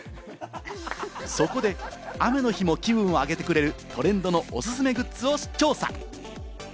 そこで雨の日も気分を上げてくれる、トレンドのおすすめグッズを調査！